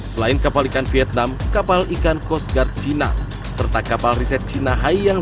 selain kapal ikan vietnam kapal ikan coast guard china serta kapal riset cina hai yang